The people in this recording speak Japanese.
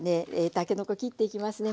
たけのこ切っていきますね。